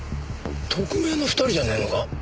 特命の２人じゃねえのか？